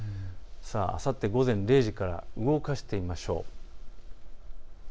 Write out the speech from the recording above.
あさって午前０時から動かしてみましょう。